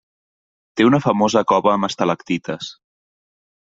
Té una famosa cova amb estalactites.